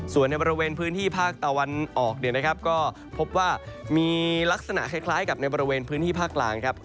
ส่วนในบริเวณพื้นที่ภาคตะวันออกเนี่ยนะครับก็พบว่ามีลักษณะคล้ายกับในบริเวณพื้นที่ภาคกลางครับ